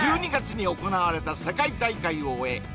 １２月に行われた世界大会を終え